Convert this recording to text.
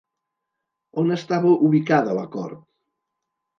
On estava ubicada la cort?